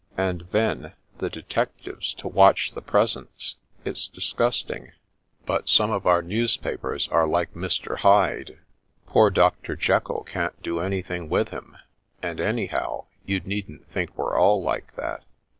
" And then, the detectives to watch the presents! It's disgusting. But some of our newspapers are like Mr. Hyde. Poor Dr. Jekyll can't do anything with him ; and anyhow, you needn't think we're all like that.